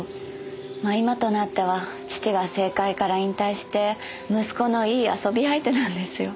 まぁ今となっては父が政界から引退して息子のいい遊び相手なんですよ。